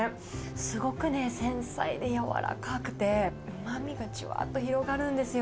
すごくね、繊細で柔らかくて、うまみがじゅわーっと広がるんですよ。